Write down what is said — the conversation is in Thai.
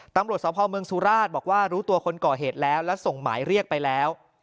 ตำรวจสภเมืองสุราชบอกว่ารู้ตัวคนก่อเหตุแล้วและส่งหมายเรียกไปแล้ว